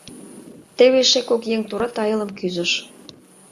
Теве эше кок еҥ тура тайылым кӱзыш.